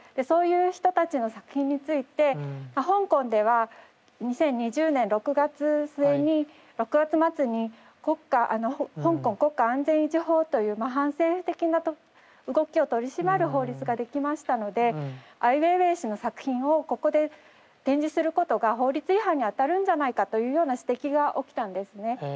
そういう人たちの作品について香港では２０２０年６月末に香港国家安全維持法という反政府的な動きを取り締まる法律ができましたのでアイウェイウェイ氏の作品をここで展示することが法律違反にあたるんじゃないかというような指摘が起きたんですね。